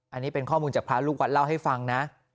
อันนี้เป็นข้อมูลจากพระลูกวัดเล่าให้ฟังนะ